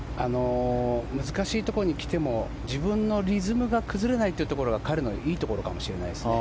難しいところに来ても自分のリズムが崩れないところが彼のいいところかもしれないですよね。